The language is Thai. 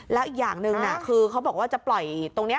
แล้วอีกอย่างหนึ่งคือเขาบอกว่าจะปล่อยตรงนี้